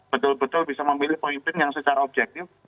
betul betul bisa memilih pemimpin yang secara objektif